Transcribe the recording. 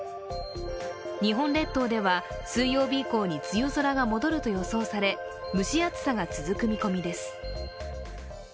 日本列島では、水曜日以降に梅雨空が戻ると予想され、蒸し暑さが続く見込みです。